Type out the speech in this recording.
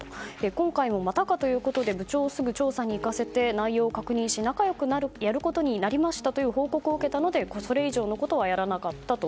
今回も、またかということで部長をすぐ調査に行かせて内容を確認し、仲良くやることになりましたという報告を受けたのでそれ以上のことはやらなかったと。